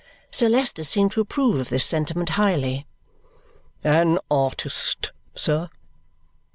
Sir Leicester seemed to approve of this sentiment highly. "An artist, sir?"